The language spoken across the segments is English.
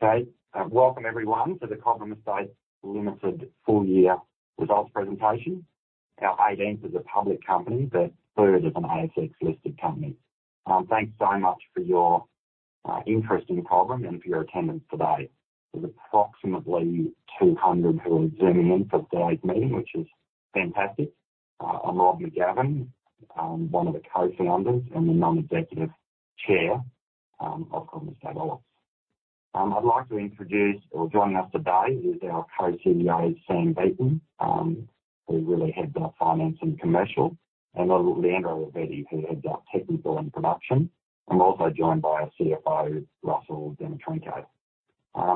Okay, welcome everyone to the Cobram Estate Olives Limited full year results presentation. ASX: CBO is a public company. Thanks so much for your interest in Cobram and for your attendance today. There's approximately 200 people Zooming in for today's meeting, which is fantastic. I'm Rob McGavin, one of the co-founders and the non-executive chair of Cobram Estate Olives. Joining us today is our co-CEO, Sam Beaton, who really heads up finance and commercial, and Leandro Ravetti, who heads up technical and production, and we're also joined by our CFO, Russell Dmytrenko.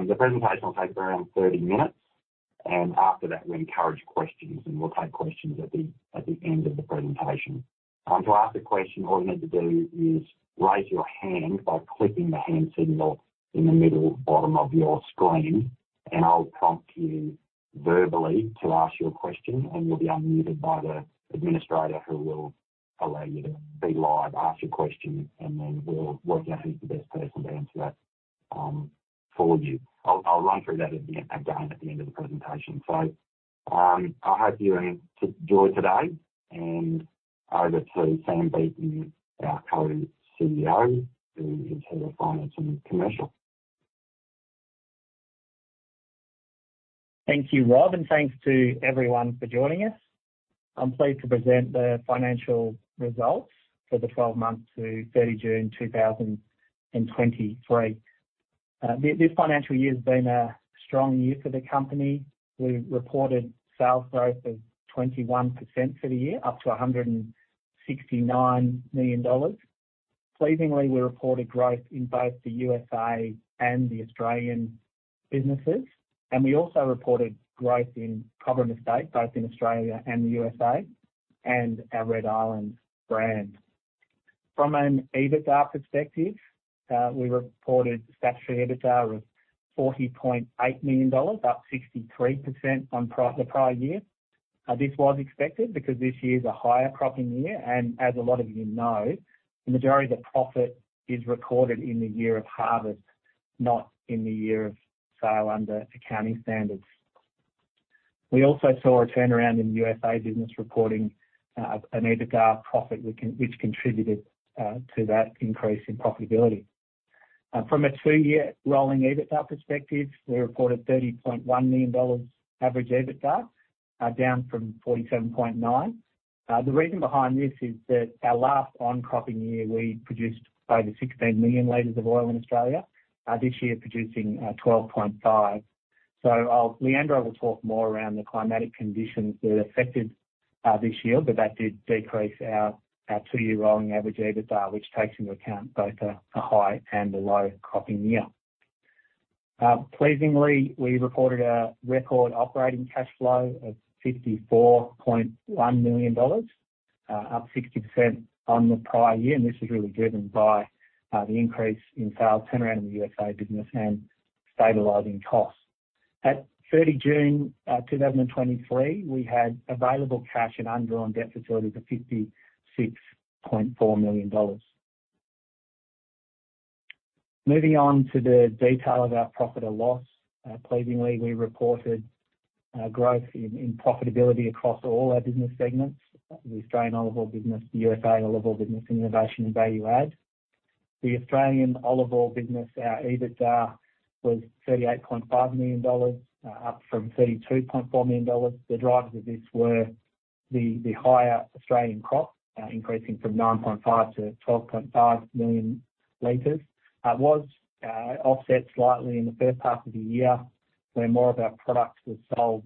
The presentation will take around 30 minutes, and after that, we encourage questions, and we'll take questions at the end of the presentation. To ask a question, all you need to do is raise your hand by clicking the hand symbol in the middle bottom of your screen, and I'll prompt you verbally to ask you a question, and you'll be unmuted by the administrator, who will allow you to be live, ask your question, and then we'll work out who's the best person to answer that, for you. I'll run through that at the end, again, at the end of the presentation. So, I hope you enjoy today, and over to Sam Beaton, our co-CEO, who is head of finance and commercial. Thank you, Rob, and thanks to everyone for joining us. I'm pleased to present the financial results for the 12 months to 30 June 2023. This financial year has been a strong year for the company. We've reported sales growth of 21% for the year, up to 169 million dollars. Pleasingly, we reported growth in both the USA and the Australian businesses, and we also reported growth in Cobram Estate, both in Australia and the USA, and our Red Island brand. From an EBITDA perspective, we reported statutory EBITDA of 40.8 million dollars, up 63% on the prior year. This was expected because this year is a higher cropping year, and as a lot of you know, the majority of the profit is recorded in the year of harvest, not in the year of sale under accounting standards. We also saw a turnaround in the U.S. business, reporting an EBITDA profit, which contributed to that increase in profitability. From a two-year rolling EBITDA perspective, we reported AUD 30.1 million average EBITDA, down from 47.9. The reason behind this is that our last on-cropping year, we produced over 16 million L of oil in Australia. This year producing 12.5. So I'll Leandro will talk more around the climatic conditions that affected this year, but that did decrease our two-year rolling average EBITDA, which takes into account both a high and a low cropping year. Pleasingly, we reported a record operating cash flow of 54.1 million dollars, up 60% on the prior year, and this is really driven by the increase in sales turnaround in the USA business and stabilizing costs. At 30 June 2023, we had available cash and undrawn debt facilities of AUD 56.4 million. Moving on to the detail of our profit and loss. Pleasingly, we reported growth in profitability across all our business segments, the Australian olive oil business, the USA olive oil business, innovation and value add. The Australian olive oil business, our EBITDA was AUD 38.5 million, up from AUD 32.4 million. The drivers of this were the higher Australian crop, increasing from 9.5 million L-12.5 million L. It was offset slightly in the first half of the year, where more of our products were sold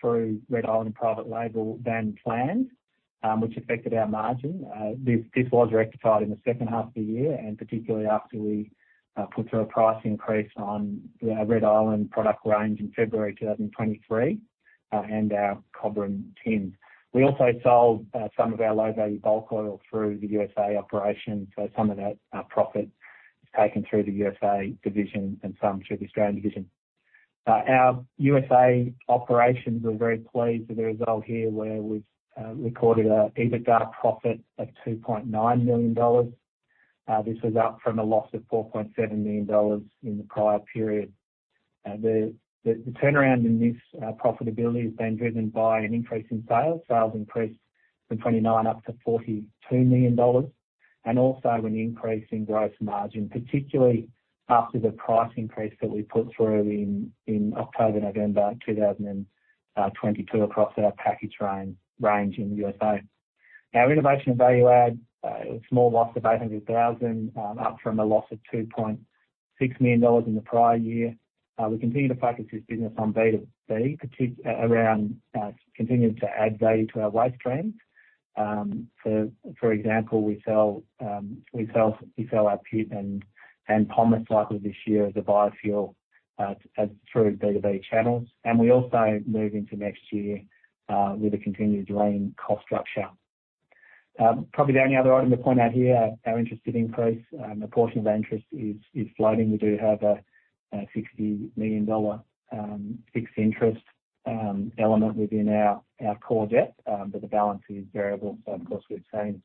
through Red Island private label than planned, which affected our margin. This was rectified in the second half of the year, and particularly after we put through a price increase on the Red Island product range in February 2023, and our Cobram tins. We also sold some of our low-value bulk oil through the USA operation, so some of that profit is taken through the USA division and some through the Australian division. Our USA operations, we're very pleased with the result here, where we've recorded an EBITDA profit of $2.9 million. This was up from a loss of $4.7 million in the prior period. The turnaround in this profitability has been driven by an increase in sales. Sales increased from 29 up to $42 million, and also an increase in gross margin, particularly after the price increase that we put through in October, November 2022, across our package range in the USA. Our innovation and value add, a small loss of $800,000, up from a loss of $2.6 million in the prior year. We continue to focus this business on B2B, around continuing to add value to our waste streams. So for example, we sell our pits and pomace this year as a biofuel through B2B channels, and we also move into next year with a continued lean cost structure. Probably the only other item to point out here, our interest increase. A portion of our interest is floating. We do have a 60 million dollar fixed interest element within our core debt, but the balance is variable. So of course, we've seen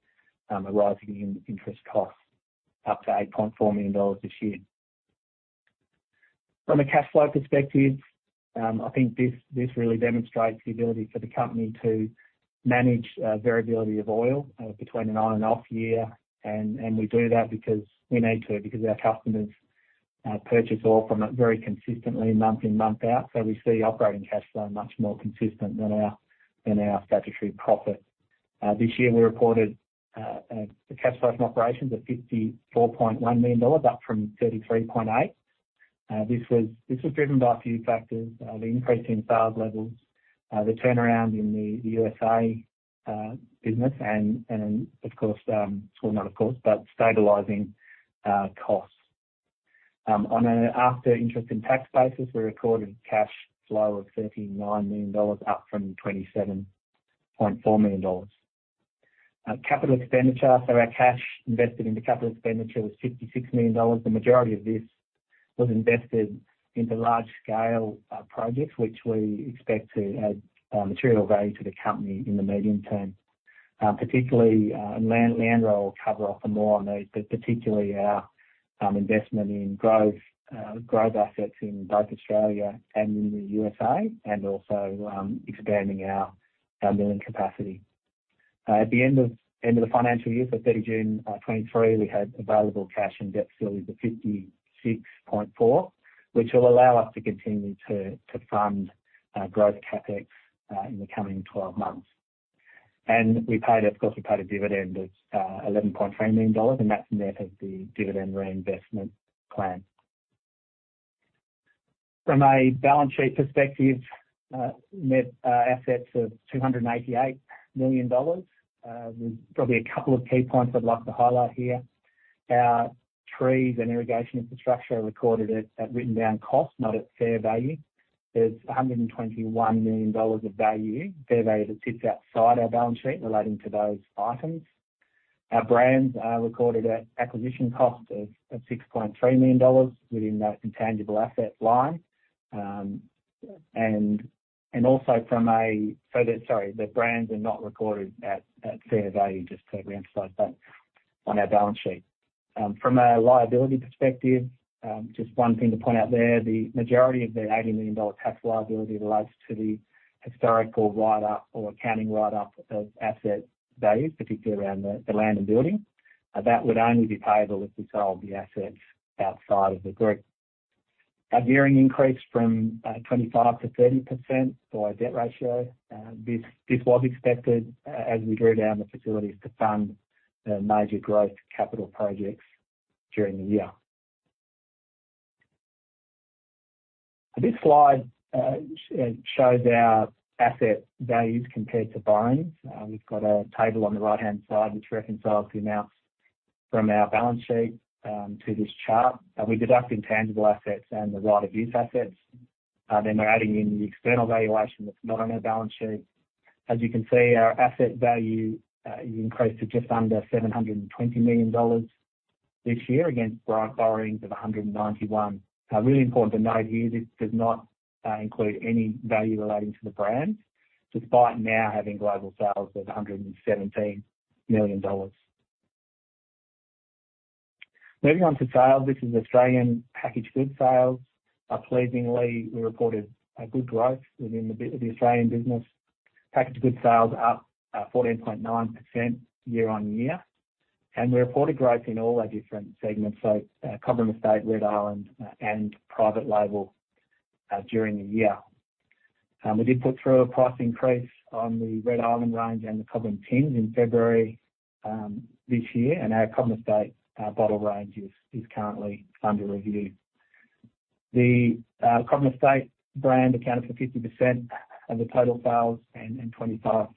a rising in interest costs up to 8.4 million dollars this year. From a cash flow perspective, I think this really demonstrates the ability for the company to manage variability of oil between an on and off year. And we do that because we need to, because our customers purchase oil from it very consistently, month in, month out. So we see operating cash flow much more consistent than our statutory profit. This year, we reported the cash flow from operations of AUD 54.1 million, up from AUD 33.8 million. This was driven by a few factors: the increase in sales levels, the turnaround in the USA business, and of course, well, not of course, but stabilizing costs. On an after interest and tax basis, we recorded cash flow of 39 million dollars, up from 27.4 million dollars. Capital expenditure, so our cash invested into capital expenditure was 56 million dollars. The majority of this was invested into large-scale projects, which we expect to add material value to the company in the medium term. Particularly, and Leandro will cover off more on these, but particularly our investment in growth assets in both Australia and in the USA, and also expanding our milling capacity. At the end of the financial year, so 30 June 2023, we had available cash and debt facilities of 56.4 million, which will allow us to continue to fund growth CapEx in the coming 12 months. And we paid, of course, we paid a dividend of 11.3 million dollars, and that's net of the dividend reinvestment plan. From a balance sheet perspective, net assets of 288 million dollars. There's probably a couple of key points I'd like to highlight here. Our trees and irrigation infrastructure are recorded at written down cost, not at fair value. There's 121 million dollars of value, fair value, that sits outside our balance sheet relating to those items. Our brands are recorded at acquisition cost of 6.3 million dollars within that intangible assets line. The brands are not recorded at fair value, just to reemphasize that, on our balance sheet. From a liability perspective, just one thing to point out there, the majority of the 80 million dollar tax liability relates to the historical write-up or accounting write-up of asset values, particularly around the land and building. That would only be payable if we sold the assets outside of the group. Our gearing increased from 25%-30% debt ratio. This was expected as we drew down the facilities to fund the major growth capital projects during the year. This slide shows our asset values compared to borrowings. We've got a table on the right-hand side which reconciles the amounts from our balance sheet to this chart, and we deduct intangible assets and the right of use assets. Then we're adding in the external valuation that's not on our balance sheet. As you can see, our asset value increased to just under 720 million dollars this year against our borrowings of 191 million. Really important to note here, this does not include any value relating to the brands, despite now having global sales of 117 million dollars. Moving on to sales. This is Australian packaged food sales. Pleasingly, we reported a good growth within the Australian business. Packaged goods sales are 14.9% year-on-year, and we reported growth in all our different segments, so Cobram Estate, Red Island, and private label during the year. We did put through a price increase on the Red Island range and the Cobram tins in February this year, and our Cobram Estate bottle range is currently under review. The Cobram Estate brand accounted for 50% of the total sales and 25%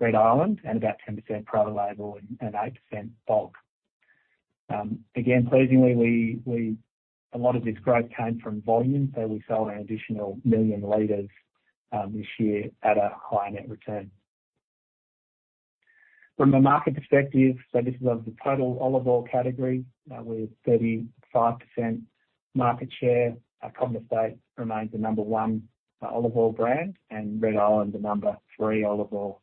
Red Island, and about 10% private label, and 8% bulk. Again, pleasingly, a lot of this growth came from volume, so we sold an additional 1 million L this year at a higher net return. From a market perspective, so this is of the total olive oil category, with 35% market share. Cobram Estate remains the number one olive oil brand, and Red Island, the number three olive oil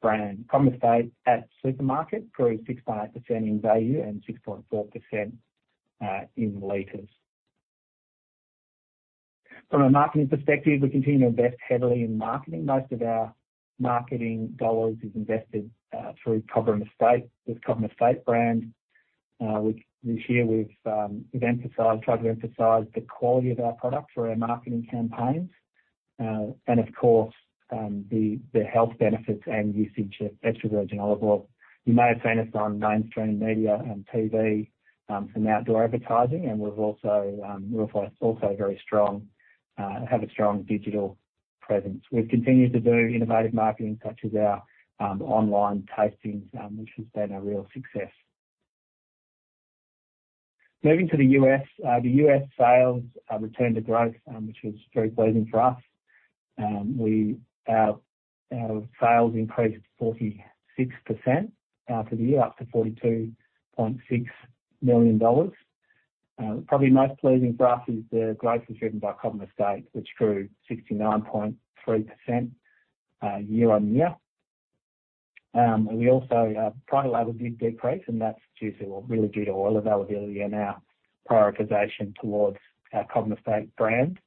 brand. Cobram Estate at supermarket grew 6.8% in value and 6.4% in liters. From a marketing perspective, we continue to invest heavily in marketing. Most of our marketing dollars is invested through Cobram Estate. With Cobram Estate brand, we this year we've tried to emphasize the quality of our product for our marketing campaigns, and of course, the health benefits and usage of extra virgin olive oil. You may have seen us on mainstream media and TV, some outdoor advertising, and we've also, we're also very strong, have a strong digital presence. We've continued to do innovative marketing, such as our online tastings, which has been a real success. Moving to the U.S. The U.S. sales returned to growth, which was very pleasing for us. Our sales increased 46% for the year, up to $42.6 million. Probably most pleasing for us is the growth is driven by Cobram Estate, which grew 69.3% year-on-year. We also, private label did decrease, and that's due to, well, really due to oil availability and our prioritization towards our Cobram Estate brand.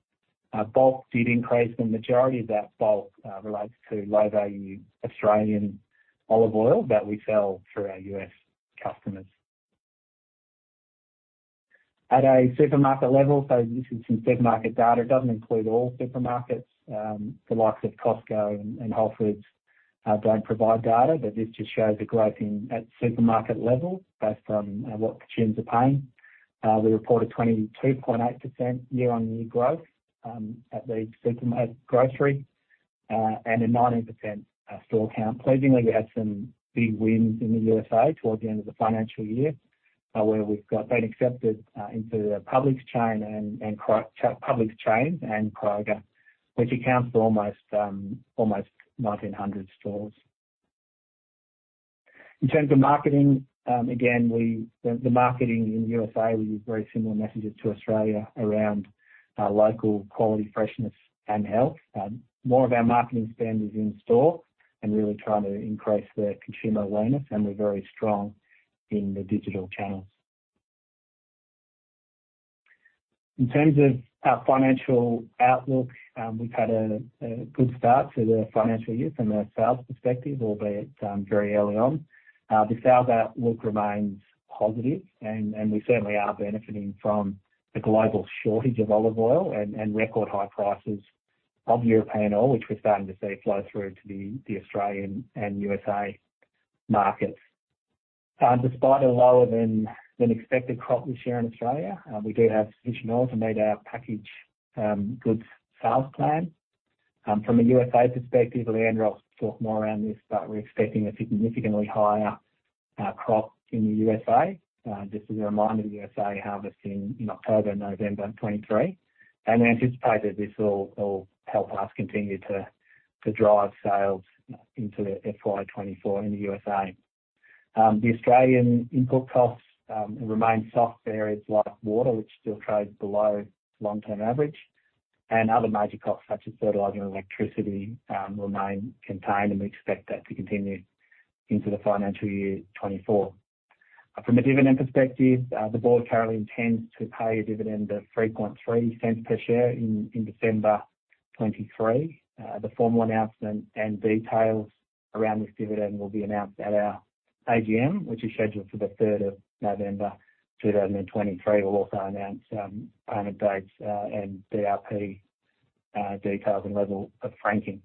Bulk did increase, the majority of that bulk relates to low-value Australian olive oil that we sell through our U.S. customers. At a supermarket level, so this is some supermarket data. It doesn't include all supermarkets. The likes of Costco and Whole Foods don't provide data, but this just shows the growth in at supermarket level based on what consumers are paying. We reported 22.8% year-on-year growth at the supermarket grocery and a 19% store count. Pleasingly, we had some big wins in the USA towards the end of the financial year, where we've been accepted into the Publix chain and Kroger, which accounts for almost 1,900 stores. In terms of marketing, again, the marketing in the USA, we use very similar messages to Australia around local quality, freshness, and health. More of our marketing spend is in store and really trying to increase the consumer awareness, and we're very strong in the digital channels. In terms of our financial outlook, we've had a good start to the financial year from a sales perspective, albeit very early on. The sales outlook remains positive, and we certainly are benefiting from the global shortage of olive oil and record high prices of European oil, which we're starting to see flow through to the Australian and USA markets. Despite a lower than expected crop this year in Australia, we do have sufficient oil to meet our packaged goods sales plan. From a USA perspective, Leandro will talk more around this, but we're expecting a significantly higher crop in the USA. Just as a reminder, the USA harvests in October, November 2023, and we anticipate that this will help us continue to drive sales into the FY 2024 in the USA. The Australian input costs remain soft in areas like Woolies, which still trades below long-term average, and other major costs, such as fertilizer and electricity, remain contained, and we expect that to continue into the financial year 2024. From a dividend perspective, the board currently intends to pay a dividend of 0.033 per share in December 2023. The formal announcement and details around this dividend will be announced at our AGM, which is scheduled for the November 3rd, 2023. We'll also announce payment dates and DRP details and level of franking.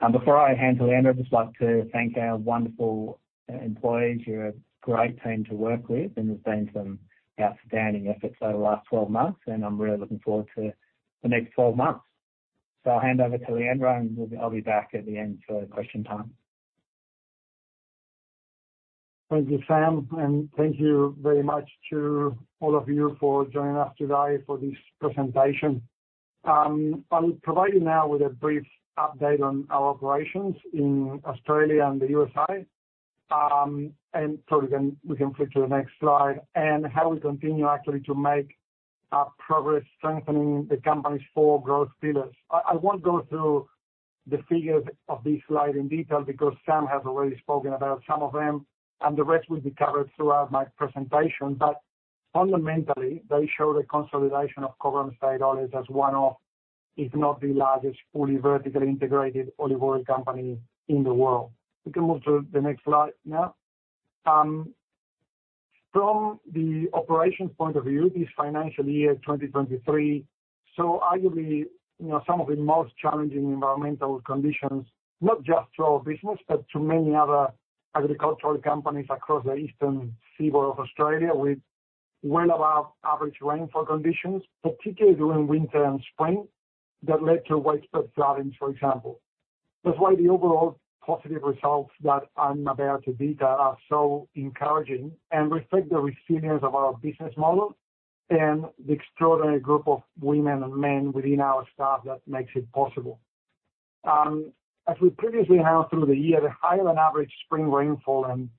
And before I hand to Leandro, I'd just like to thank our wonderful employees. You're a great team to work with, and there's been some outstanding efforts over the last 12 months, and I'm really looking forward to the next 12 months. So I'll hand over to Leandro, and I'll be back at the end for question time. Thank you, Sam, and thank you very much to all of you for joining us today for this presentation. I'll provide you now with a brief update on our operations in Australia and the USA, and so we can flip to the next slide, and how we continue actually to make progress strengthening the company's four growth pillars. I won't go through the figures of this slide in detail because Sam has already spoken about some of them, and the rest will be covered throughout my presentation. But fundamentally, they show the consolidation of Cobram Estate Olives as one of, if not the largest, fully vertically integrated olive oil company in the world. We can move to the next slide now. From the operations point of view, this financial year, 2023, saw arguably, you know, some of the most challenging environmental conditions, not just to our business, but to many other agricultural companies across the eastern seaboard of Australia, with well above average rainfall conditions, particularly during winter and spring, that led to widespread floodings, for example. That's why the overall positive results that I'm about to detail are so encouraging and reflect the resilience of our business model and the extraordinary group of women and men within our staff that makes it possible. As we previously announced through the year, the higher-than-average spring rainfall and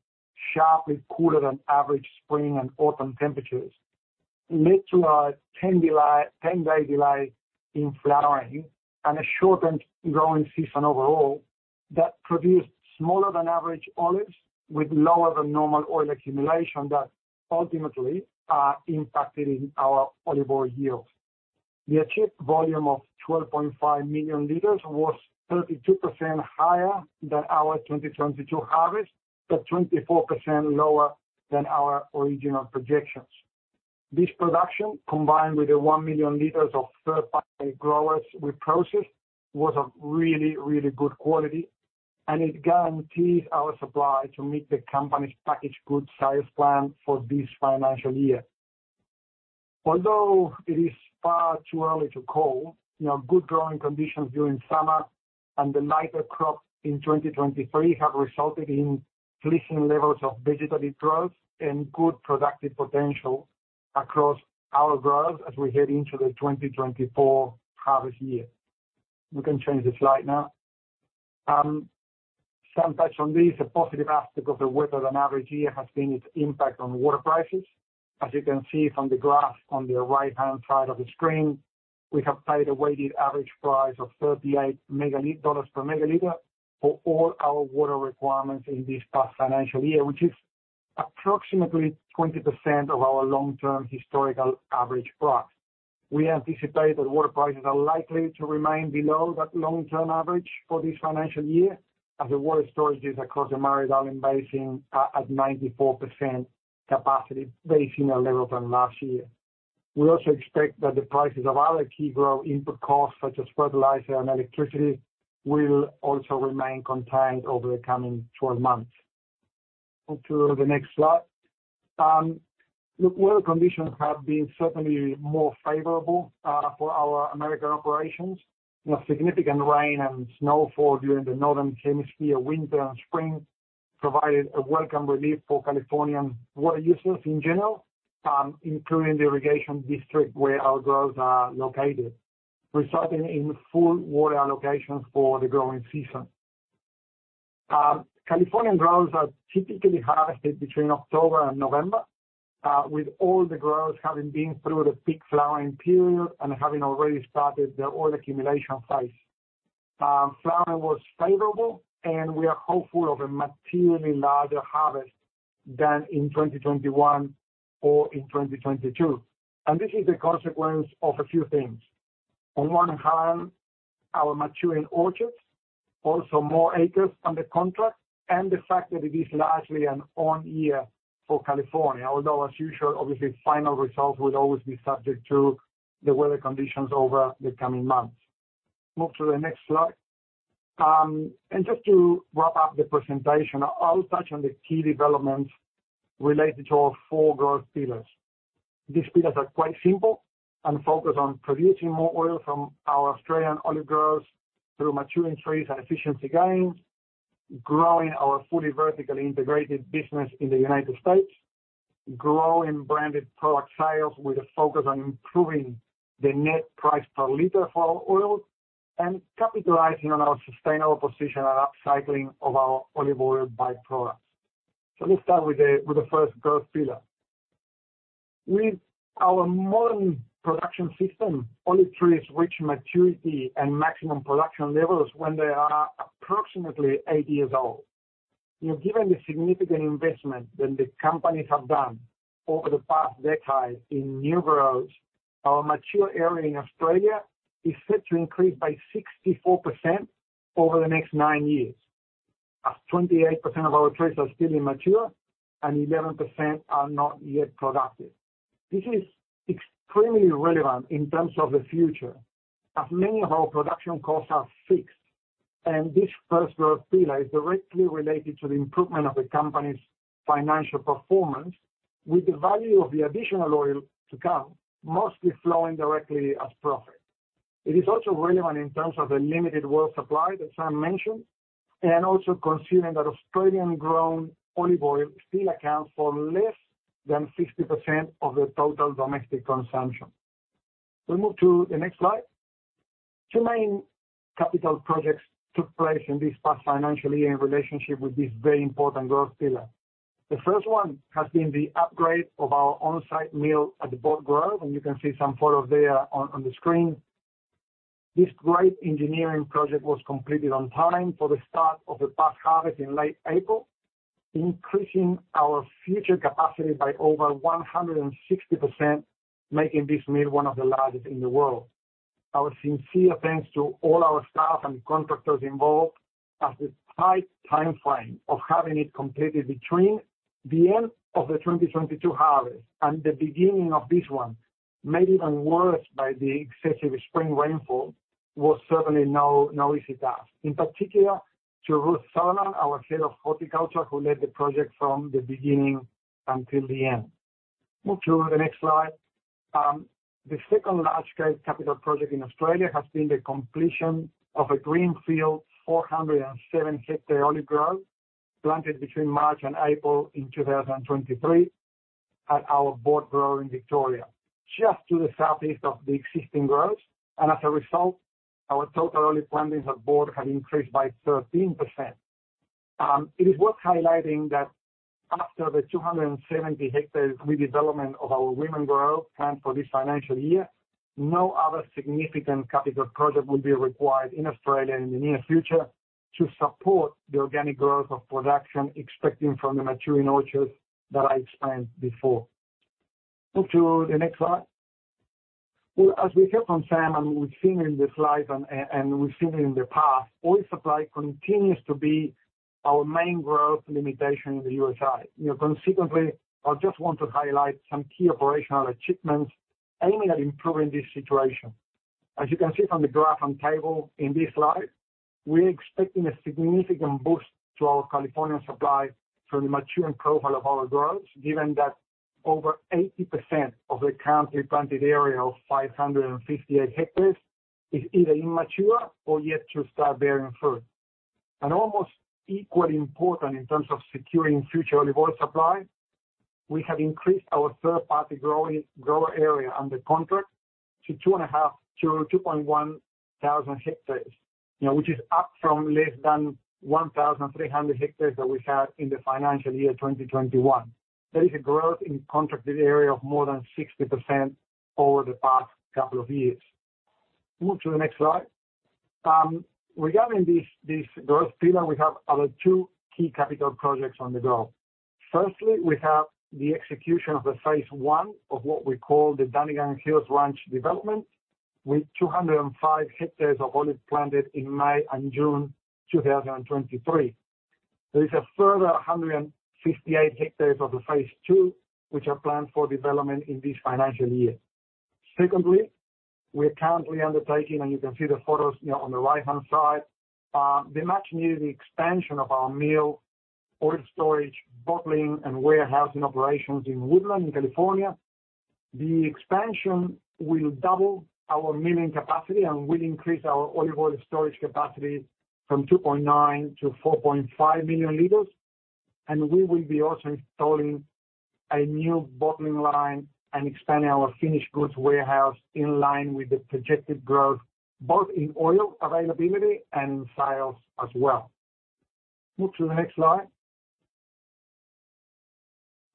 sharply cooler-than-average spring and autumn temperatures led to a 10-day delay in flowering and a shortened growing season overall, that produced smaller-than-average olives with lower-than-normal oil accumulation that ultimately impacted in our olive oil yields. The achieved volume of 12.5 million L was 32% higher than our 2022 harvest, but 24% lower than our original projections. This production, combined with the 1 million L of third-party growers we processed, was of really, really good quality, and it guarantees our supply to meet the company's packaged goods sales plan for this financial year. Although it is far too early to call, you know, good growing conditions during summer and the lighter crops in 2023 have resulted in pleasing levels of vegetative growth and good productive potential... across our groves as we head into the 2024 harvest year. We can change the slide now. Let me touch on this, a positive aspect of the wetter-than-average year has been its impact on water prices. As you can see from the graph on the right-hand side of the screen, we have paid a weighted average price of 38 dollars per ML for all our water requirements in this past financial year, which is approximately 20% of our long-term historical average price. We anticipate that water prices are likely to remain below that long-term average for this financial year, as the water storages across the Murray-Darling Basin are at 94% capacity, being at a higher level than last year. We also expect that the prices of other key growth input costs, such as fertilizer and electricity, will also remain contained over the coming 12 months. Move to the next slide. The weather conditions have been certainly more favorable for our American operations. A significant rain and snowfall during the Northern Hemisphere winter and spring provided a welcome relief for Californian water users in general, including the irrigation district where our groves are located, resulting in full water allocations for the growing season. Californian groves are typically harvested between October and November, with all the groves having been through the peak flowering period and having already started their oil accumulation phase. Flowering was favorable, and we are hopeful of a materially larger harvest than in 2021 or in 2022, and this is a consequence of a few things. On one hand, our maturing orchards, also more acres under contract, and the fact that it is largely an on year for California. Although, as usual, obviously, final results would always be subject to the weather conditions over the coming months. Move to the next slide. Just to wrap up the presentation, I'll touch on the key developments related to our four growth pillars. These pillars are quite simple and focus on producing more oil from our Australian olive groves through maturing trees and efficiency gains, growing our fully vertically integrated business in the United States, growing branded product sales with a focus on improving the net price per liter for our oil, and capitalizing on our sustainable position and upcycling of our olive oil by-products. Let's start with the first growth pillar. With our modern production system, olive trees reach maturity and maximum production levels when they are approximately eight years old. You know, given the significant investment that the companies have done over the past decade in new groves, our mature area in Australia is set to increase by 64% over the next nine years, as 28% of our trees are still immature and 11% are not yet productive. This is extremely relevant in terms of the future, as many of our production costs are fixed, and this first growth pillar is directly related to the improvement of the company's financial performance, with the value of the additional oil to come mostly flowing directly as profit. It is also relevant in terms of the limited world supply, that Sam mentioned, and also considering that Australian-grown olive oil still accounts for less than 60% of the total domestic consumption. So move to the next slide. Two main capital projects took place in this past financial year in relationship with this very important growth pillar. The first one has been the upgrade of our on-site mill at the Boort Grove, and you can see some photos there on the screen. This great engineering project was completed on time for the start of the past harvest in late April, increasing our future capacity by over 160%, making this mill one of the largest in the world. Our sincere thanks to all our staff and the contractors involved, as the tight timeframe of having it completed between the end of the 2022 harvest and the beginning of this one, made even worse by the excessive spring rainfall, was certainly no easy task. In particular, to Ruth Solomon, our head of horticulture, who led the project from the beginning until the end. Move to the next slide. The second large-scale capital project in Australia has been the completion of a greenfield, 407-hectare olive grove, planted between March and April in 2023, at our Boort Grove in Victoria, just to the southeast of the existing groves. And as a result, our total olive plantings at Boort have increased by 13%. It is worth highlighting that after the 270 hectares redevelopment of our Wemen Grove, planned for this financial year, no other significant capital project will be required in Australia in the near future to support the organic growth of production expecting from the maturing orchards that I explained before. Move to the next slide. Well, as we heard from Sam, and we've seen in the slides and we've seen it in the past, oil supply continues to be our main growth limitation in the USA. You know, consequently, I just want to highlight some key operational achievements aiming at improving this situation. As you can see from the graph and table in this slide, we're expecting a significant boost to our California supply from the maturing profile of our groves, given that over 80% of the currently planted area of 558 hectares is either immature or yet to start bearing fruit.... Almost equally important in terms of securing future olive oil supply, we have increased our third-party grower area under contract to 2,500-2,100 hectares. You know, which is up from less than 1,300 hectares that we had in the financial year 2021. There is a growth in contracted area of more than 60% over the past couple of years. Move to the next slide. Regarding this, this growth pillar, we have other two key capital projects on the go. Firstly, we have the execution of the phase I of what we call the Dunnigan Hills Ranch development, with 205 hectares of olive planted in May and June 2023. There is a further 158 hectares of the phase II, which are planned for development in this financial year. Secondly, we are currently undertaking, and you can see the photos, you know, on the right-hand side, the much-needed expansion of our mill, oil storage, bottling, and warehousing operations in Woodland, California. The expansion will double our milling capacity and will increase our olive oil storage capacity from 2.9 million L-4.5 million L, and we will be also installing a new bottling line and expanding our finished goods warehouse in line with the projected growth, both in oil availability and sales as well. Move to the next slide.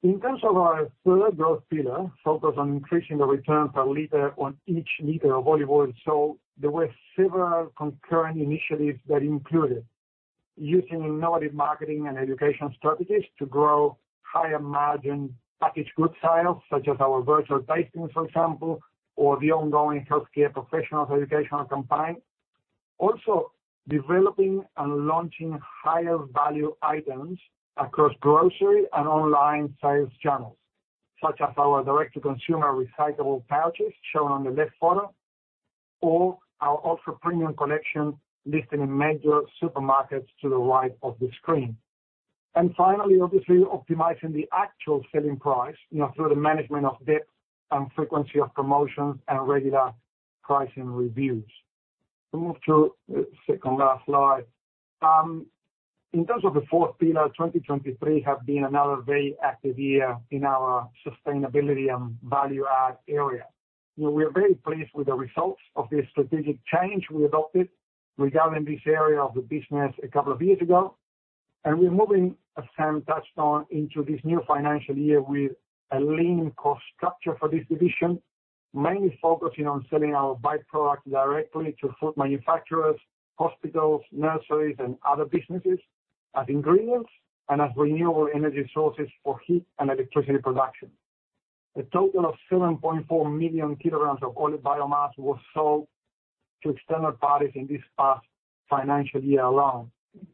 In terms of our third growth pillar, focused on increasing the return per liter on each liter of olive oil sold, there were several concurrent initiatives that included: using innovative marketing and education strategies to grow higher-margin packaged good sales, such as our virtual tastings, for example, or the ongoing healthcare professionals educational campaign. Also, developing and launching higher-value items across grocery and online sales channels, such as our direct-to-consumer recyclable pouches, shown on the left photo, or our ultra-premium collection listed in major supermarkets to the right of the screen. And finally, obviously, optimizing the actual selling price, you know, through the management of depth and frequency of promotions and regular pricing reviews. Move to the second last slide. In terms of the fourth pillar, 2023 have been another very active year in our sustainability and value add area. You know, we are very pleased with the results of this strategic change we adopted regarding this area of the business a couple of years ago. We're moving, as Sam touched on, into this new financial year with a lean cost structure for this division, mainly focusing on selling our by-product directly to food manufacturers, hospitals, nurseries, and other businesses, as ingredients and as renewable energy sources for heat and electricity production. A total of 7.4 million kg of olive biomass was sold to external parties in this past financial year alone.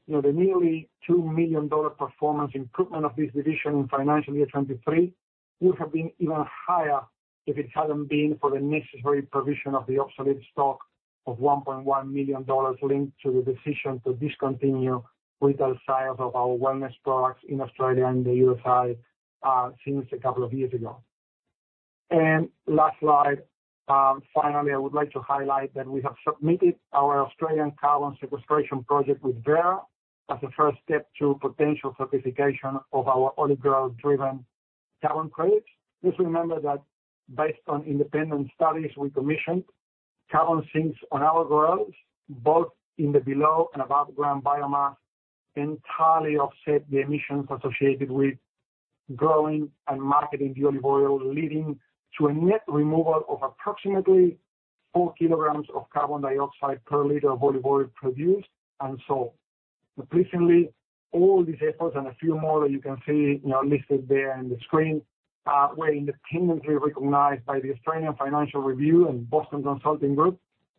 You know, the nearly 2 million dollar performance improvement of this division in financial year 2023 would have been even higher if it hadn't been for the necessary provision of the obsolete stock of 1.1 million dollars, linked to the decision to discontinue retail sales of our wellness products in Australia and the USA, since a couple of years ago. And last slide. Finally, I would like to highlight that we have submitted our Australian carbon sequestration project with Verra, as a first step to potential certification of our olive growth-driven carbon credits. Just remember that based on independent studies we commissioned, carbon sinks on our groves, both in the below- and above-ground biomass, entirely offset the emissions associated with growing and marketing the olive oil, leading to a net removal of approximately 4 kg of carbon dioxide per liter of olive oil produced and sold. Pleasingly, all these efforts and a few more that you can see, you know, listed there on the screen, were independently recognized by the Australian Financial Review and Boston Consulting Group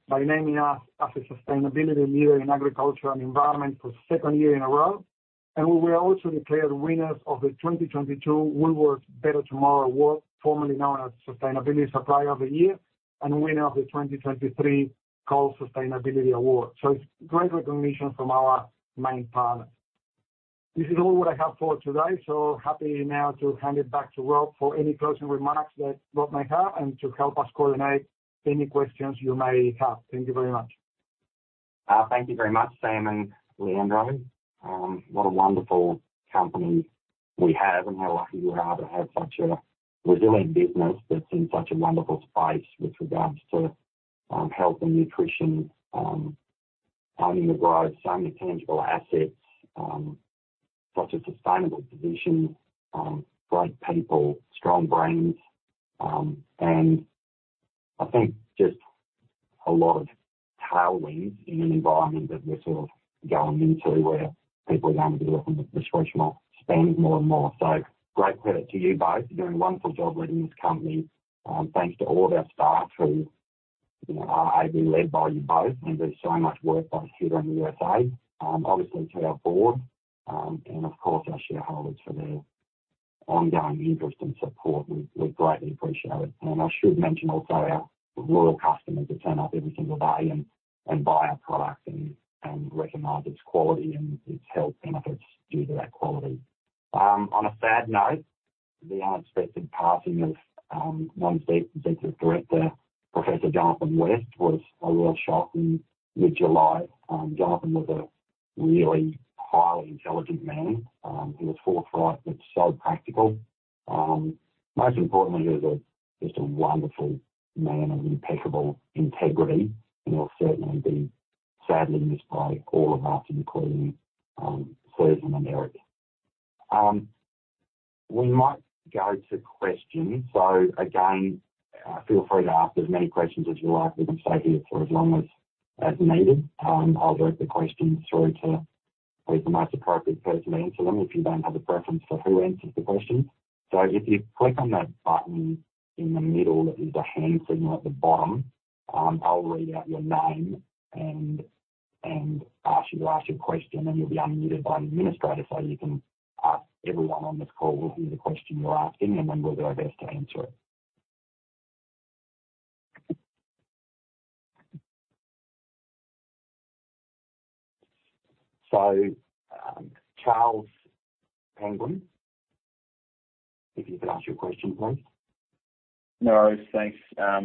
by naming us as a sustainability leader in agriculture and environment for the second year in a row. We were also declared winners of the 2022 Woolworths Better Tomorrow Award, formerly known as Sustainability Supplier of the Year, and winner of the 2023 Coles Sustainability Award. So it's great recognition from our main partners. This is all what I have for today. So happy now to hand it back to Rob for any closing remarks that Rob may have, and to help us coordinate any questions you may have. Thank you very much. Thank you very much, Sam and Leandro. What a wonderful company we have, and how lucky we are to have such a resilient business that's in such a wonderful space with regards to health and nutrition, owning the growth, so many tangible assets, such a sustainable position, great people, strong brands, and I think just a lot of tailwinds in an environment that we're sort of going into, where people are going to be looking at discretional spend more and more. So great credit to you both. You're doing a wonderful job leading this company. Thanks to all of our staff who, you know, are ably led by you both, and there's so much work both here and in the USA. Obviously, to our board, and of course, our shareholders, for their ongoing interest and support. We greatly appreciate it. I should mention also our loyal customers who turn up every single day and buy our product and recognize its quality and its health benefits due to that quality. On a sad note, the unexpected passing of one of our Executive Director, Professor Jonathan West, was a real shock in mid-July. Jonathan was a really highly intelligent man. He was forthright, but so practical. Most importantly, he was just a wonderful man of impeccable integrity, and he'll certainly be sadly missed by all of us, including Susan and Eric. We might go to questions. Again, feel free to ask as many questions as you like. We can stay here for as long as needed. I'll direct the questions through to the most appropriate person to answer them, if you don't have a preference for who answers the question. So if you click on that button in the middle, that is a hand signal at the bottom, I'll read out your name and ask you to ask your question, and you'll be unmuted by an administrator. So you can ask, everyone on this call will hear the question you're asking, and then we'll do our best to answer it. So, Charles Penguin, if you can ask your question, please. No worries. Thanks,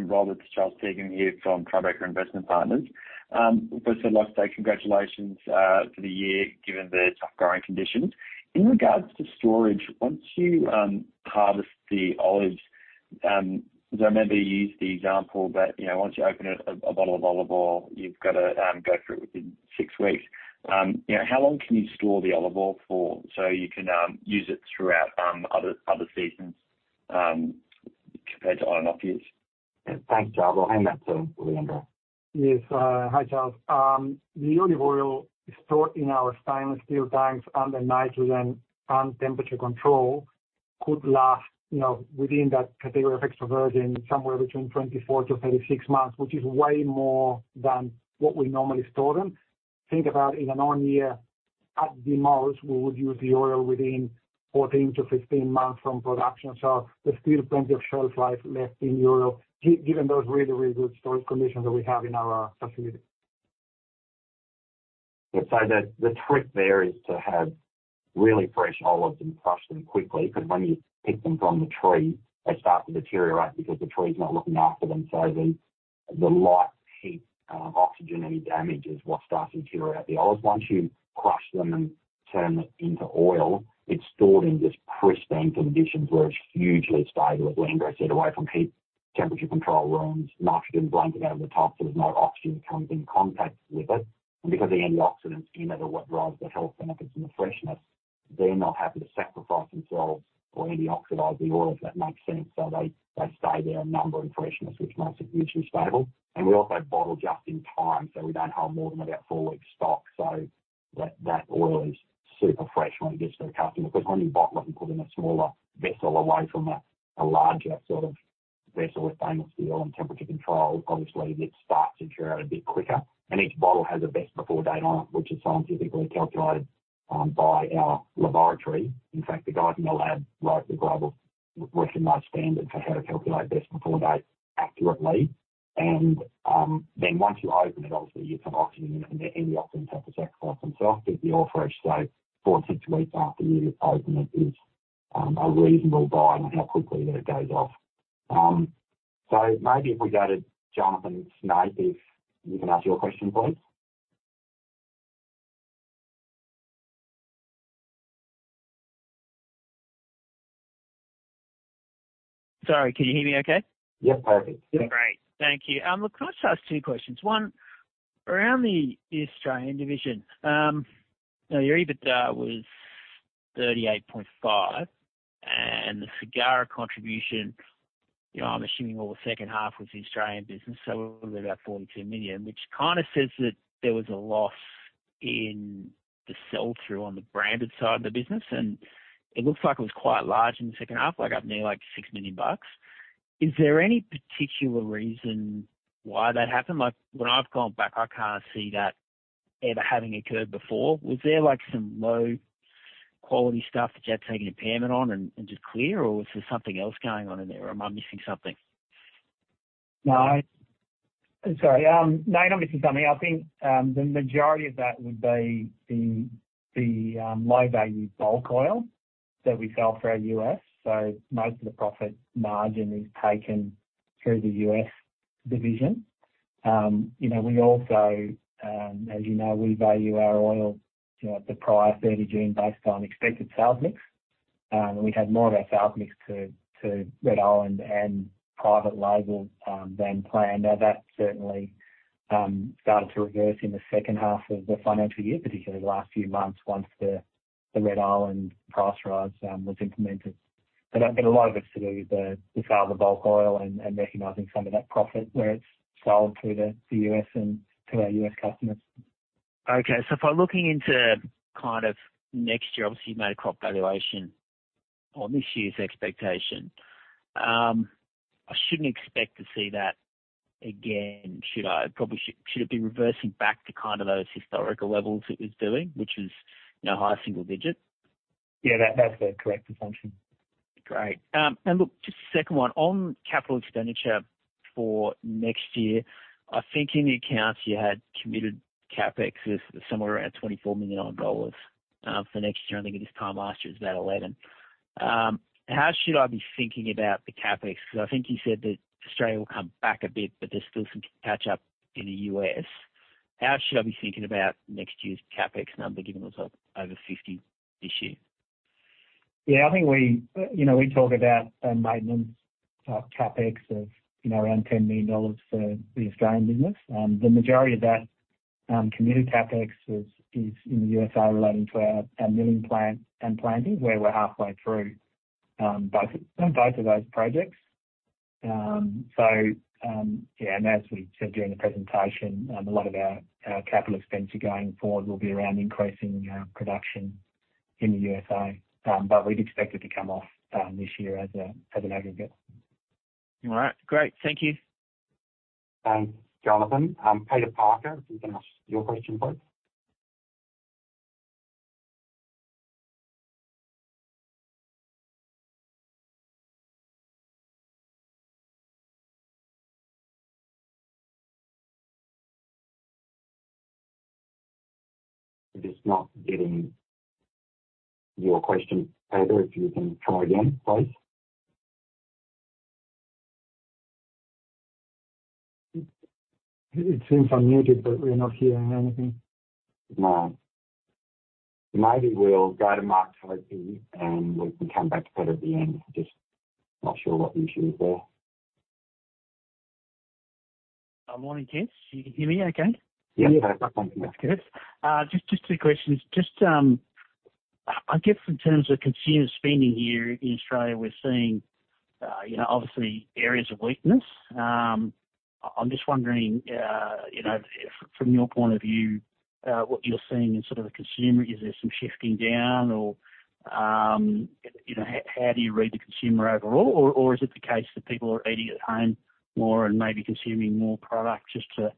Robert, it's Charles Penguin here from Tribeca Investment Partners. First I'd like to say congratulations for the year, given the tough growing conditions. In regards to storage, once you harvest the olives, so maybe use the example that, you know, once you open a bottle of olive oil, you've got to go through it within six weeks. You know, how long can you store the olive oil for so you can use it throughout other seasons, compared to on and off use? Thanks, Charles. I'll hand that to Leandro. Yes, hi, Charles. The olive oil stored in our stainless steel tanks under nitrogen and temperature control could last, you know, within that category of extra virgin, somewhere between 24-36 months, which is way more than what we normally store them. Think about in a normal year, at the most, we would use the oil within 14-15 months from production, so there's still plenty of shelf life left in the oil, given those really, really good storage conditions that we have in our facility. So the trick there is to have really fresh olives and crush them quickly, because when you pick them from the tree, they start to deteriorate because the tree's not looking after them. So the light, heat, oxygen, any damage is what starts to deteriorate the olives. Once you crush them and turn it into oil, it's stored in just pristine conditions where it's hugely stable, as Leandro said, away from heat, temperature control rooms, nitrogen blanket over the top, so there's no oxygen comes in contact with it. And because the antioxidants in it are what drives the health benefits and the freshness, they're not having to sacrifice themselves or any oxidized the oils, if that makes sense. So they stay there a number of freshness, which makes it hugely stable. We also bottle just in time, so we don't have more than about four weeks stock. So that oil is super fresh when it gets to the customer, because when you bottle up and put in a smaller vessel away from a larger sort of vessel or stainless steel and temperature control, obviously it starts to deteriorate a bit quicker, and each bottle has a best before date on it, which is scientifically calculated by our laboratory. In fact, the guys in the lab wrote the globally recognized standard for how to calculate best before date accurately. Then once you open it, obviously, you put oxygen in it, and the antioxidants have to sacrifice themselves. But the off fresh, say, four to six weeks after you open it, is a reasonable guide on how quickly that it goes off. So, maybe if we go to Jonathan Snape, if you can ask your question, please. Sorry, can you hear me okay? Yes, perfect. Great. Thank you. Look, can I just ask two questions? One, around the Australian division, now your EBITDA was 38.5 million, and the cigars contribution, you know, I'm assuming all the second half was the Australian business, so about 42 million, which kind of says that there was a loss in the sell-through on the branded side of the business, and it looks like it was quite large in the second half, like up near, like 6 million bucks. Is there any particular reason why that happened? Like, when I've gone back, I can't see that ever having occurred before. Was there like some low-quality stuff that you had to take an impairment on and, and just clear, or was there something else going on in there, or am I missing something? No. Sorry, no, you're not missing something. I think, the majority of that would be the low-value bulk oil that we sell through our U.S., so most of the profit margin is taken through the U.S. division. You know, we also, as you know, we value our oil, you know, at the prior 30 June based on expected sales mix, and we had more of our sales mix to Red Island and private label, than planned. Now, that certainly started to reverse in the second half of the financial year, particularly the last few months, once the Red Island price rise was implemented. But a lot of it to do with the sale of the bulk oil and recognizing some of that profit where it's sold through the U.S. and to our U.S. customers. Okay. So if I'm looking into kind of next year, obviously, you've made a crop valuation on this year's expectation. I shouldn't expect to see that again, should I? Probably should, should it be reversing back to kind of those historical levels it was doing, which is, you know, high single digits? Yeah, that, that's the correct assumption. Great. Look, just the second one, on capital expenditure for next year. I think in the accounts you had committed CapEx is somewhere around 24 million dollars for next year. I think at this time last year it was about 11 million. How should I be thinking about the CapEx? Because I think you said that Australia will come back a bit, but there's still some catch-up in the US. How should I be thinking about next year's CapEx number, given it was over 50 million this year? Yeah, I think we, you know, we talk about a maintenance CapEx of, you know, around 10 million dollars for the Australian business. The majority of that committed CapEx is in the USA, relating to our milling plant and planting, where we're halfway through both of those projects. So yeah, and as we said during the presentation, a lot of our capital expenditure going forward will be around increasing production in the USA, but we'd expect it to come off this year as an aggregate. All right, great. Thank you. Thanks, Jonathan. Peter Parker, you can ask your question, please. I'm just not getting your question, Peter. If you can try again, please. It seems unmuted, but we're not hearing anything. No. Maybe we'll go to Mark Toby, and we can come back to that at the end. Just not sure what the issue is there. Good morning, gents. You can hear me okay? Yeah. That's good. Just, just two questions. Just, I guess in terms of consumer spending here in Australia, we're seeing, you know, obviously areas of weakness. I'm just wondering, you know, from your point of view, what you're seeing in sort of the consumer. Is there some shifting down or, you know, how do you read the consumer overall? Or, is it the case that people are eating at home more and maybe consuming more product? Just to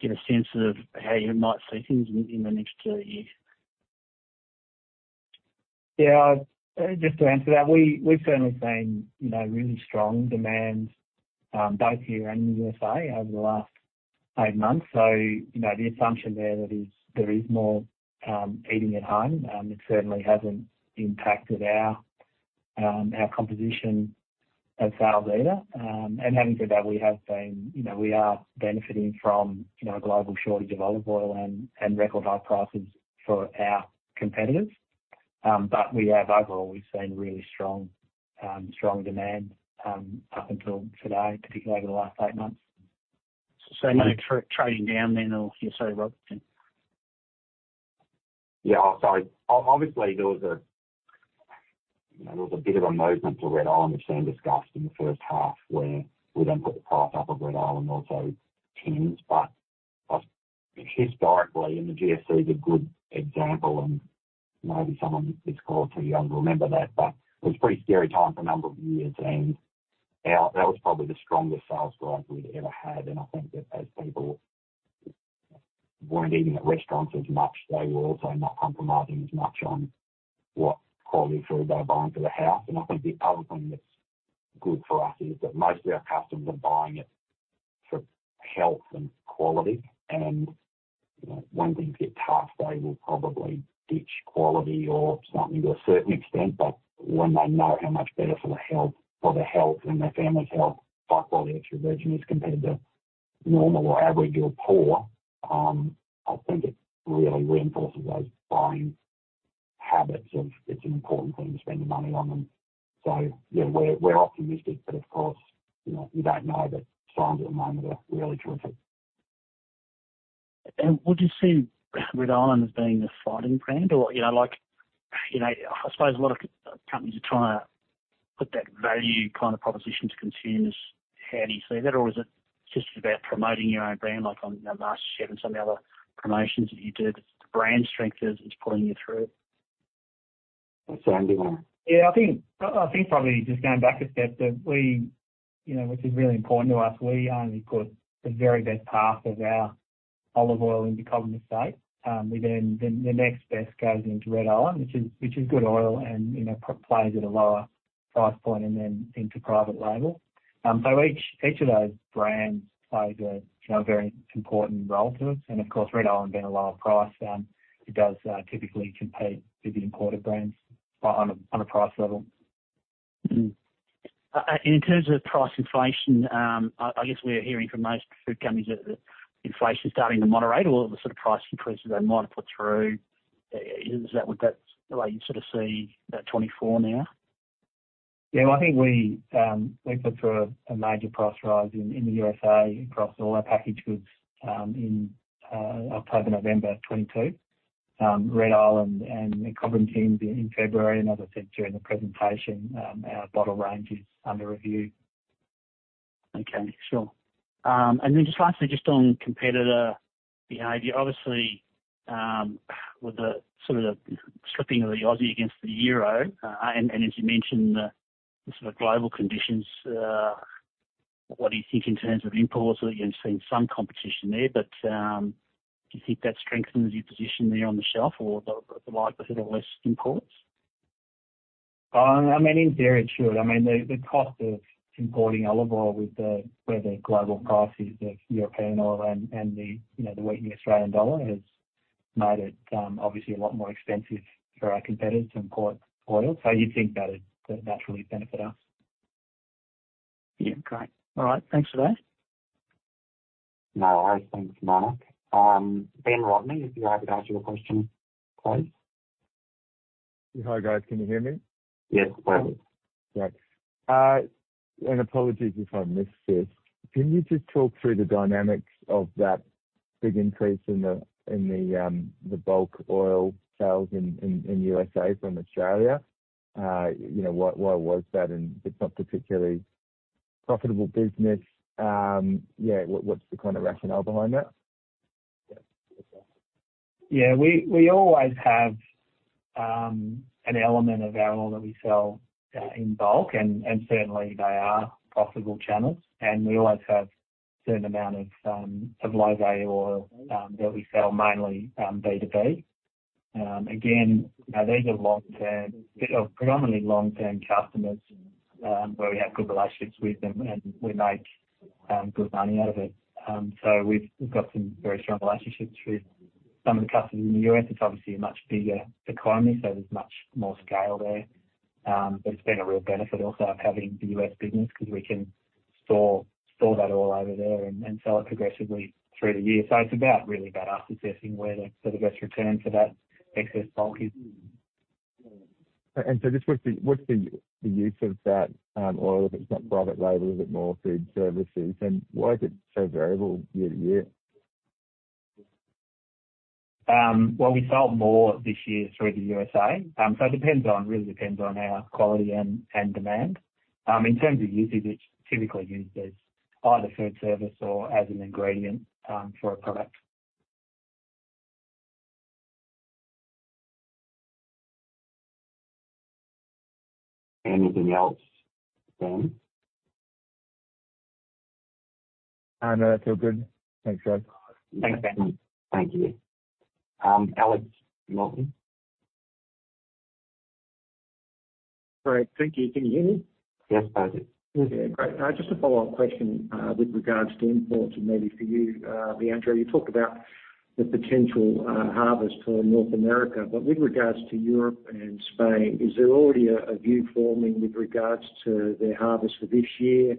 get a sense of how you might see things in the next two years. Yeah, just to answer that, we, we've certainly seen, you know, really strong demand both here and in the USA over the last eight months. So, you know, the assumption there that is, there is more eating at home, it certainly hasn't impacted our composition of sales either. And having said that, we have seen... You know, we are benefiting from, you know, a global shortage of olive oil and record high prices for our competitors. But we have overall, we've seen really strong demand up until today, particularly over the last eight months. So no trading down then or you say, Rob? Yeah, sorry. Obviously, there was a, you know, there was a bit of a movement to Red Island that Sam discussed in the first half, where we then put the price up of Red Island, also tins, but, historically, and the GFC is a good example, and maybe someone on this call is too young to remember that, but it was a pretty scary time for a number of years, and that was probably the strongest sales growth we'd ever had. And I think that as people weren't eating at restaurants as much, they were also not compromising as much on what quality food they were buying for the house. I think the other thing that's good for us is that most of our customers are buying it for health and quality, and, you know, when things get tough, they will probably ditch quality or something to a certain extent, but when they know how much better for their health, for their health and their family's health, high-quality extra virgin is compared to normal or average or poor. I think it really reinforces those buying habits of it's an important thing to spend the money on. And so, yeah, we're, we're optimistic, but of course, you know, you don't know, but signs at the moment are really terrific. Would you see Red Island as being the fighting brand or, you know, like, you know, I suppose a lot of companies are trying to put that value kind of proposition to consumers? How do you see that? Or is it just about promoting your own brand, like on MasterChef and some of the other promotions that you did, the brand strength is pulling you through? Sam, do you want to- Yeah, I think, I think probably just going back a step, that we, you know, which is really important to us, we only put the very best half of our olive oil into Cobram Estate. We then, the next best goes into Red Island, which is good oil and, you know, plays at a lower price point and then into private label. So each of those brands plays a, you know, a very important role to us. And of course, Red Island being a lower price, it does typically compete with the imported brands on a price level. In terms of price inflation, I guess we're hearing from most food companies that inflation is starting to moderate or the sort of price increases they might have put through. Is that what that... Well, you sort of see that 2024 now? Yeah, I think we put through a major price rise in the USA across all our packaged goods in October, November of 2022. Red Island and Cobram tins in February, and as I said during the presentation, our bottle range is under review. Okay, sure. And then just lastly, just on competitor behavior, obviously, with the sort of the slipping of the Aussie against the euro, and as you mentioned, the sort of global conditions, what do you think in terms of imports? You've seen some competition there, but, do you think that strengthens your position there on the shelf or the likelihood of less imports?... I mean, in theory, it should. I mean, the cost of importing olive oil with the, where the global price is, the European oil and, you know, the weakening Australian dollar has made it, obviously a lot more expensive for our competitors to import oil. So you'd think that it would naturally benefit us. Yeah, great. All right, thanks for that. No worries. Thanks, Mark. Ben Rodney, if you're happy to ask you a question, please. Hi, guys. Can you hear me? Yes, perfect. Great. And apologies if I missed this: Can you just talk through the dynamics of that big increase in the bulk oil sales in USA from Australia? You know, what was that? And it's not particularly profitable business. Yeah, what's the kind of rationale behind that? Yeah, we always have an element of our oil that we sell in bulk, and certainly they are profitable channels, and we always have a certain amount of low value oil that we sell mainly B2B. Again, you know, these are long-term, predominantly long-term customers where we have good relationships with them, and we make good money out of it. So we've got some very strong relationships with some of the customers in the U.S. It's obviously a much bigger economy, so there's much more scale there. But it's been a real benefit also of having the US business because we can store that oil over there and sell it progressively through the year. So it's about really about assessing where the best return for that excess bulk is. And so just what's the use of that oil, if it's not private label, is it more food services, and why is it so variable year to year? Well, we sold more this year through the USA. So it depends on—really depends on our quality and, and demand. In terms of usage, it's typically used as either food service or as an ingredient, for a product. Anything else, Ben? No, that's all good. Thanks, guys. Thanks, Ben. Thank you. Alex Martin. Great, thank you. Can you hear me? Yes, perfect. Yeah, great. Just a follow-up question, with regards to imports and maybe for you, Leandro. You talked about the potential harvest for North America, but with regards to Europe and Spain, is there already a view forming with regards to their harvest for this year?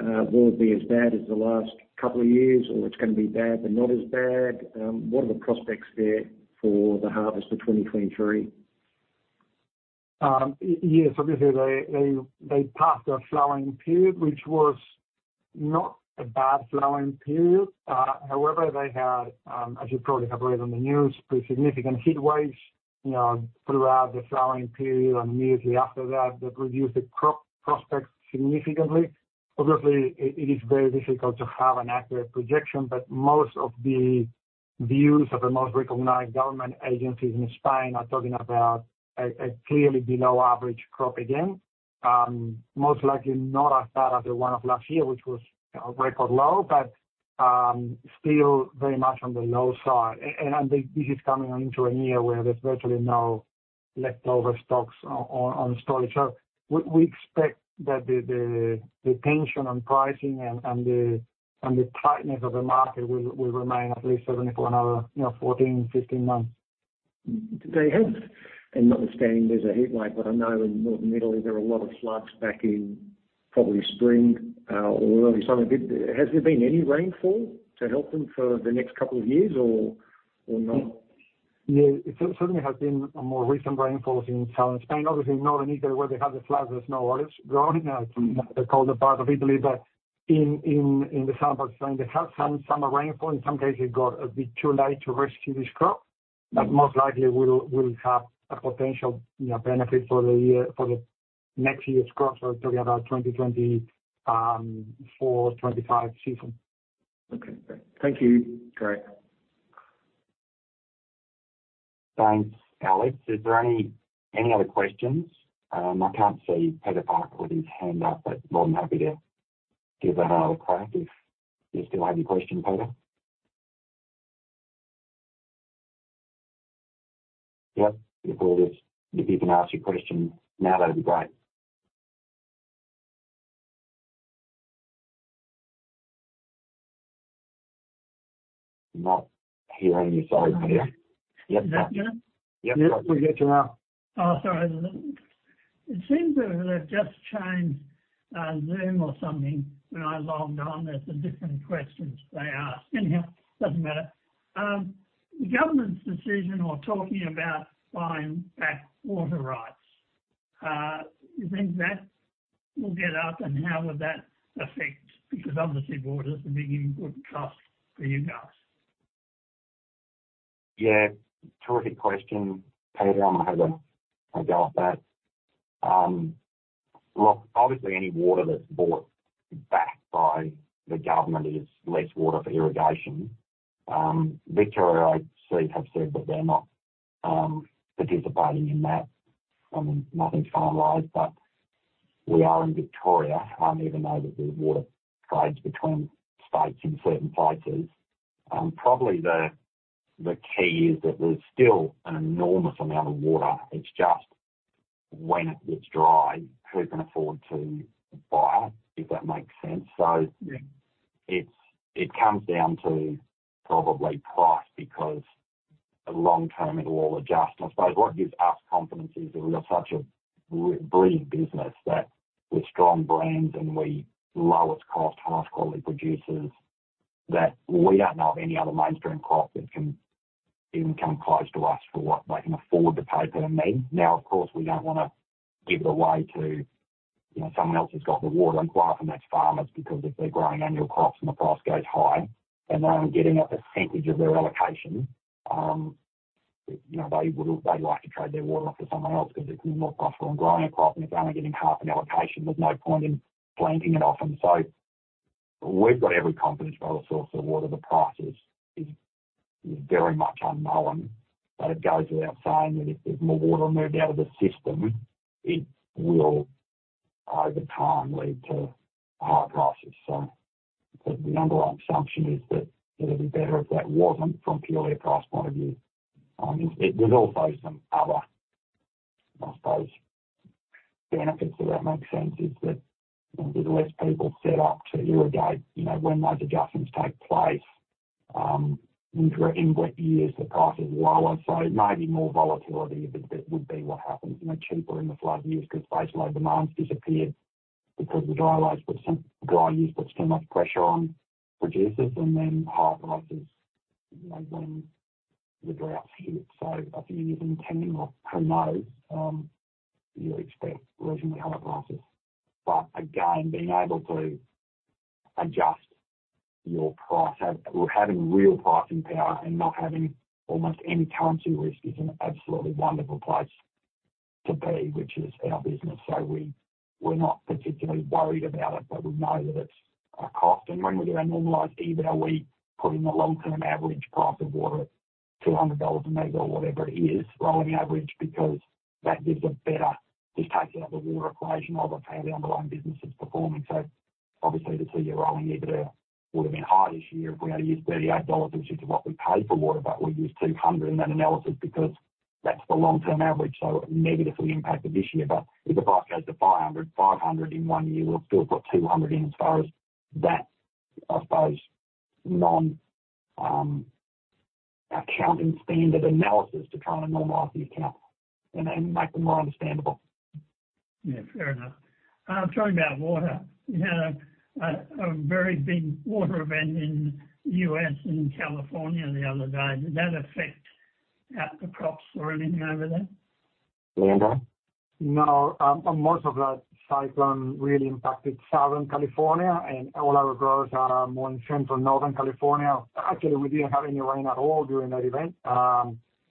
Will it be as bad as the last couple of years, or it's gonna be bad, but not as bad? What are the prospects there for the harvest of 2023? Yes, obviously they passed a flowering period, which was not a bad flowering period. However, they had, as you probably have read on the news, pretty significant heat waves, you know, throughout the flowering period and immediately after that, that reduced the crop prospects significantly. Obviously, it is very difficult to have an accurate projection, but most of the views of the most recognized government agencies in Spain are talking about a clearly below average crop again. Most likely not as bad as the one of last year, which was a record low, but, still very much on the low side. And this is coming into a year where there's virtually no leftover stocks on storage. We expect that the tension on pricing and the tightness of the market will remain at least certainly for another, you know, 14, 15 months. They have. And notwithstanding there's a heatwave, but I know in northern Italy there were a lot of floods back in probably spring or early summer. Has there been any rainfall to help them for the next couple of years or, or not? Yeah, it certainly has been more recent rainfalls in southern Spain. Obviously, northern Italy, where they had the floods, there's no olives growing in the colder part of Italy. But in the southern Spain, they have some summer rainfall. In some cases, it got a bit too late to rescue this crop, but most likely we'll have a potential, you know, benefit for the year, for the next year's crop. So we're talking about 2024-25 season. Okay, great. Thank you. Great. Thanks, Alex. Is there any other questions? I can't see Peter Parker with his hand up, but more than happy to give that another crack if you still have your question, Peter. Yep, if you can ask your question now, that'd be great. I'm not hearing you, sorry, Peter. Yep, we hear you now. Oh, sorry. It seems that they've just changed Zoom or something. When I logged on, there's some different questions they asked. Anyhow, doesn't matter. The government's decision or talking about buying back water rights, do you think that will get up, and how would that affect? Because obviously, water is a big input cost for you guys. Yeah, terrific question, Peter. I'm gonna have a go at that. Look, obviously any water that's bought back by the government is less water for irrigation. Victoria, I see, have said that they're not participating in that. I mean, nothing's finalized, but we are in Victoria, even though that there's water trades between states in certain places, probably the key is that there's still an enormous amount of water. It's just when it gets dry, who can afford to buy it? If that makes sense. So- Yeah. It comes down to probably price, because long term, it'll all adjust. And I suppose what gives us confidence is that we are such a repeat business, that we're strong brands and we lowest cost, highest quality producers, that we don't know of any other mainstream crop that can even come close to us for what they can afford to pay per megalitre. Now, of course, we don't want to give it away to, you know, someone else who's got the water, and quite often that's farmers, because if they're growing annual crops and the price goes high and they're only getting a percentage of their allocation, you know, they would, they'd like to trade their water off to someone else because it's more profitable than growing a crop and it's only getting half an allocation, there's no point in planting it often. So we've got every confidence about the source of water. The price is very much unknown, but it goes without saying that if there's more water moved out of the system, it will over time lead to higher prices. So the underlying assumption is that it'll be better if that wasn't from purely a price point of view. There's also some other, I suppose, benefits, if that makes sense, is that, you know, there's less people set up to irrigate. You know, when those adjustments take place, in wet years, the price is lower, so maybe more volatility, but that would be what happens. You know, cheaper in the flood years because basically demand's disappeared, because dry years puts too much pressure on producers and then higher prices, you know, when the droughts hit. So I think it's intended to promote you expect regionally higher prices. But again, being able to adjust your price, having real pricing power and not having almost any currency risk is an absolutely wonderful place to be, which is our business. So we're not particularly worried about it, but we know that it's a cost. And when we do our normalized EBITDA, we put in the long-term average price of water, 200 dollars a ML or whatever it is, rolling average, because that gives a better... Just taking out the water equation rather than how the underlying business is performing. So obviously, the two-year rolling EBITDA would have been high this year if we only used 38 dollars, which is what we paid for water, but we used 200 in that analysis because that's the long-term average, so it negatively impacted this year. But if the price goes to 500, 500 in one year, we've still got 200 in as far as that, I suppose, non-accounting standard analysis to try and normalize the account and make them more understandable. Yeah, fair enough. Talking about water, you had a very big water event in U.S. and California the other day. Did that affect the crops or anything over there? Leandro? No, most of that cyclone really impacted Southern California, and all our growers are more in Central Northern California. Actually, we didn't have any rain at all during that event.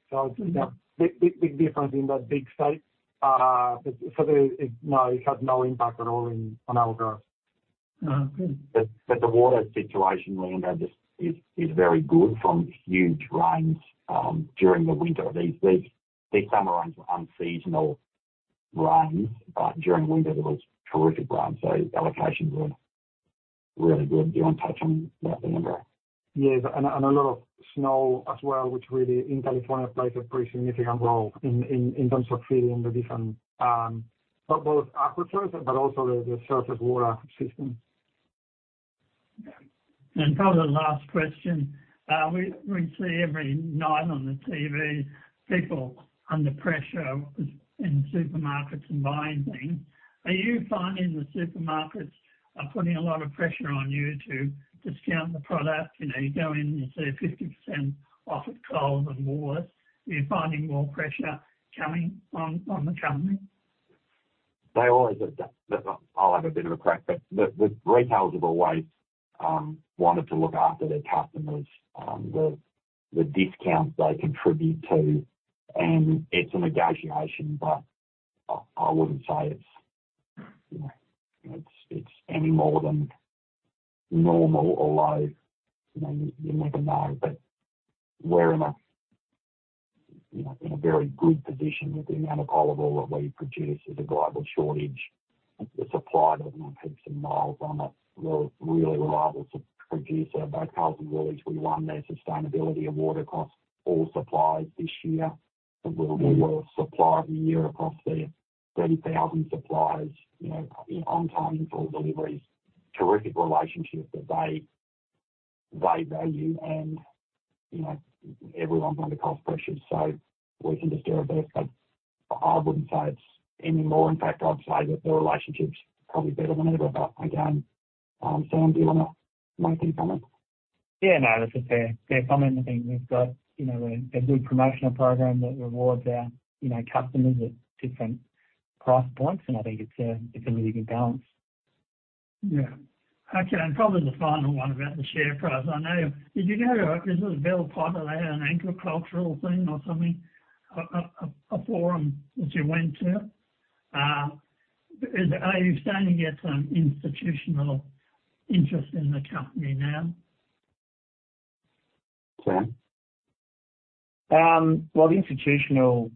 So it's a big, big, big difference in that big state. So, no, it had no impact at all on our growth. Oh, good. But the water situation, Leandro, just is very good from huge rains during the winter. These summer rains were unseasonal rains, but during winter there was terrific rain, so allocations were really good. Do you want to touch on that, Leandro? Yes, and a lot of snow as well, which really, in California, plays a pretty significant role in terms of feeding the different both aquifers but also the surface water system. Yeah. And probably the last question, we see every night on the TV, people under pressure in supermarkets and buying things. Are you finding the supermarkets are putting a lot of pressure on you to discount the product? You know, you go in, you see 50% off of Coles and water. Are you finding more pressure coming on, on the company? They always have that. I'll have a bit of a crack, but the retailers have always wanted to look after their customers, the discounts they contribute to, and it's a negotiation, but I wouldn't say it's, you know, it's any more than normal, although, you know, you never know. But we're in a, you know, in a very good position with the amount of olive oil that we produce. There's a global shortage. The supply doesn't have heaps of miles on it. We're a really reliable super producer. Both Coles and Woolies, we won their sustainability award across all suppliers this year. We were Supplier of the Year across their 30,000 suppliers, you know, in on time, in full deliveries. Terrific relationship that they, they value and, you know, everyone's under cost pressures, so we can just do our best, but I wouldn't say it's any more. In fact, I'd say that the relationship's probably better than ever, but again, Sam, do you want to make any comment? Yeah, no, that's a fair comment. I think we've got, you know, a good promotional program that rewards our, you know, customers at different price points, and I think it's a really good balance. Yeah. Okay, and probably the final one about the share price. I know, did you go to, is it a Bell Potter, an agricultural thing or something, a forum that you went to? Are you starting to get some institutional interest in the company now?... Sam? Well, the institutional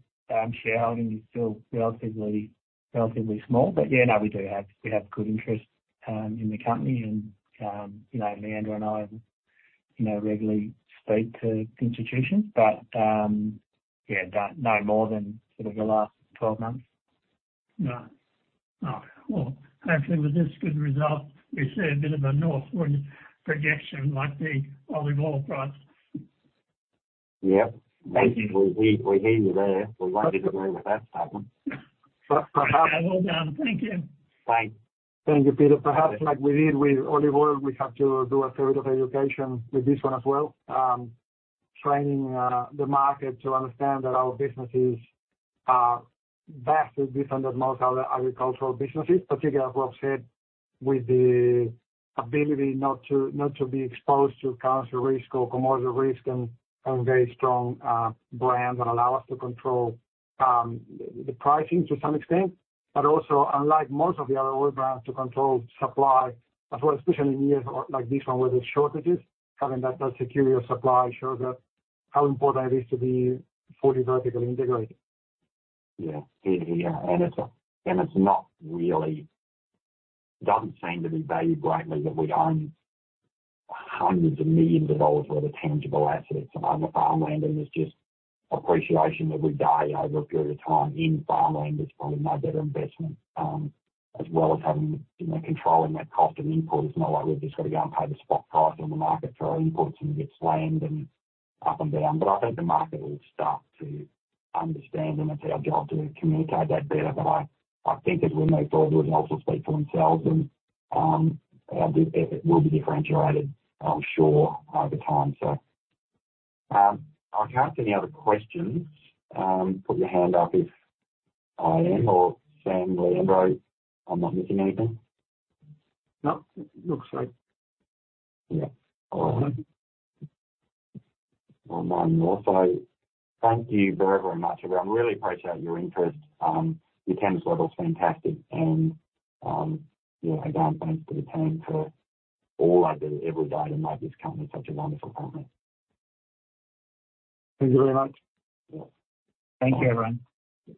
shareholding is still relatively, relatively small. But yeah, no, we do have, we have good interest in the company, and you know, Leandro and I, you know, regularly speak to institutions. But yeah, done no more than sort of the last 12 months. No. Oh, well, hopefully with this good result, we see a bit of a northward projection like the olive oil price. Yep, thank you. We hear, we hear you there. We won't agree with that statement. But perhaps- Well done. Thank you. Thanks. Thank you, Peter. Perhaps like we did with olive oil, we have to do a period of education with this one as well. Training the market to understand that our business is vastly different than most other agricultural businesses, particularly as Rob said, with the ability not to be exposed to currency risk or commodity risk, and very strong brands that allow us to control the pricing to some extent, but also, unlike most of the other oil brands, to control supply as well, especially in years like this one, where there's shortages. Having that secure supply shows us how important it is to be fully vertically integrated. Yeah. Yeah, yeah. And it's not really... It doesn't seem to be valued greatly, that we own hundreds of millions AUD worth of tangible assets and other farmland, and there's just appreciation every day over a period of time in farmland. It's probably my better investment, as well as having, you know, controlling that cost of input. It's not like we've just got to go and pay the spot price on the market for our inputs, and it gets slammed and up and down. But I think the market will start to understand, and it's our job to communicate that better. But I think as we move forward, it will also speak for themselves, and it will be differentiated, I'm sure, over time. So, I can't ask any other questions. Put your hand up if I am, or Sam, Leandro, I'm not missing anything? No, it looks right. Yeah. All right. Well, moving on. So thank you very, very much, everyone. I really appreciate your interest. Your attendance level is fantastic and, you know, again, thanks to the team for all they do every day to make this company such a wonderful company. Thank you very much. Thank you, everyone. Bye.